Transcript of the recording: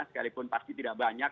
sekalipun pasti tidak banyak